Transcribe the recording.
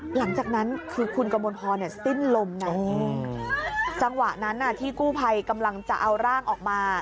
หลังจากนั้นคือคุณกมลพรสิ้นลมนะจังหวะนั้นที่กู้ภัยกำลังจะเอาร่างออกมา